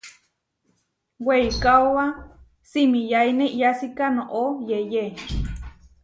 Weikáoba simiyáine iʼyásika noʼó yeʼyé.